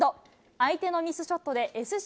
相手のミスショットでＳＣ